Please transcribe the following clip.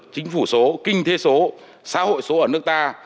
chính phủ số kinh tế số xã hội số ở nước ta